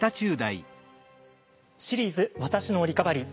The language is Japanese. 「シリーズ私のリカバリー」。